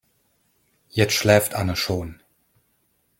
Jetzt schläft Anne schon.